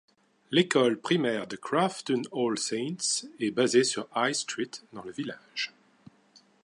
L'école primaire de Croughton All Saints est basée sur High Street dans le village.